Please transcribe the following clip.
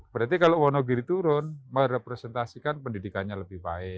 berarti kalau wonogiri turun merepresentasikan pendidikannya lebih baik